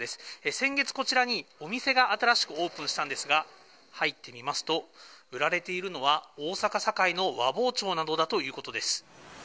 先月、こちらにお店が新しくオープンしたんですが、入ってみますと、売られているのは大阪・堺の和包丁などだということです。